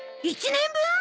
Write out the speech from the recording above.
１年分！？